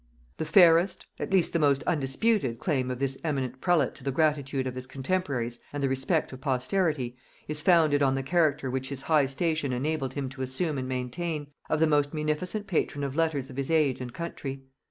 The fairest, at least the most undisputed, claim of this eminent prelate to the gratitude of his contemporaries and the respect of posterity, is founded on the character which his high station enabled him to assume and maintain, of the most munificent patron of letters of his age and country.